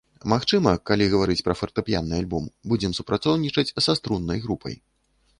Магчыма, калі гаварыць пра фартэпіянны альбом, будзем супрацоўнічаць са струннай групай.